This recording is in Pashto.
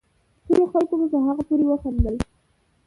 ټولو خلقو په هغه پورې وخاندل